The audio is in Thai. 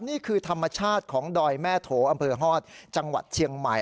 นี่คือธรรมชาติของดอยแม่โถอำเภอฮอตจังหวัดเชียงใหม่